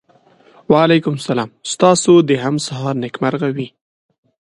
وعلیکم سلام ستاسو د هم سهار نېکمرغه وي.